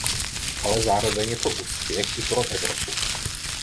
Ale zároveň je to úspěch i pro Evropu.